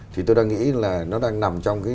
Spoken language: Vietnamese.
thì tôi đang nghĩ là nó đang nằm trong